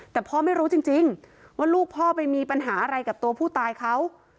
แต่พ่อไม่รู้จริงว่าลูกพ่อไปมีปัญหาอะไรกับตัวผู้ตายเขา